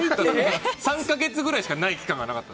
３か月くらいしかない期間なかった。